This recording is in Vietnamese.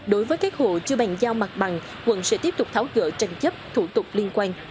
đối với các hộ chưa bàn giao mặt bằng quận sẽ tiếp tục tháo gỡ tranh chấp thủ tục liên quan